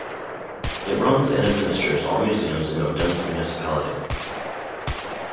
It runs and administers all museums in Odense municipality.